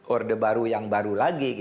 orde baru yang baru lagi